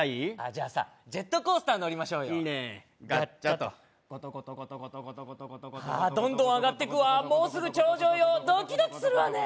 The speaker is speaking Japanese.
じゃあジェットコースター乗りましょうよいいねガッチャとガッチャとゴトゴトあっどんどん上がってくわもうすぐ頂上よドキドキするわね